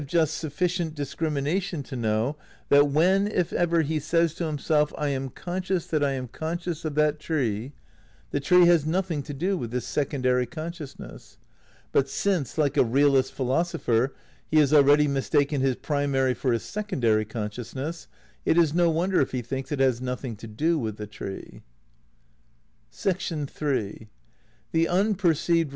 284 THE NEW IDEALISM n sufficient discrimination to know that when, if ever, he says to himself '*I am conscious that I am conscious of that tree," the tree has nothing to do with this secon dary consciousness ; but since, like a realist philosopher, he has already mistaken his primary for his secondary consciousness, it is no wonder if he thinks it has nothing to do with the tree.